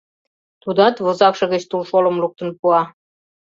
Тудат возакше гыч тулшолым луктын пуа.